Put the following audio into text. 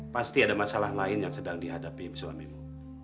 pasti ada masalah lain yang sedang dihadapi suamimu